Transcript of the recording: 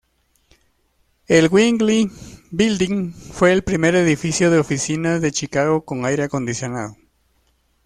El Wrigley Building fue el primer edificio de oficinas de Chicago con aire acondicionado.